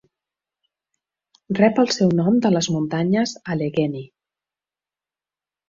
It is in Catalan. Rep el seu nom de les muntanyes Allegheny.